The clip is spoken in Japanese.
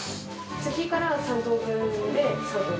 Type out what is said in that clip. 次からは３等分で、３等分。